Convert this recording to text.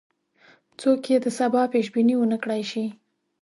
څوک یې د سبا پیش بیني ونه کړای شي.